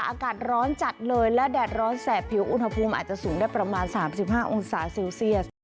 อากาศร้อนจัดเลยและแดดร้อนแสบผิวอุณหภูมิอาจจะสูงได้ประมาณ๓๕องศาเซลเซียส